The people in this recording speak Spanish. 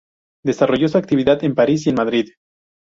Desarrolló su actividad en París y en Madrid.